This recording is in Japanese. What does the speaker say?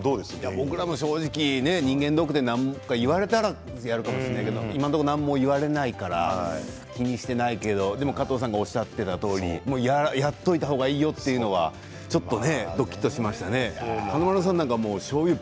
正直人間ドックで何か言われたらということはありますけど今のところ何も言われていないから気にしていないけど佐藤さんもおっしゃっていたとおりやっておいた方がいいということはどきっとしましたね。